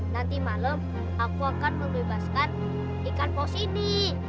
nanti malam aku akan membebaskan ikan pos ini